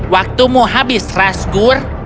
waktumu habis rasgur